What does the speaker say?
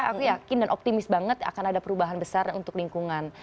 aku yakin dan optimis banget akan ada perubahan besar untuk lingkungan